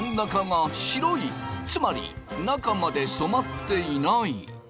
つまり中まで染まっていない。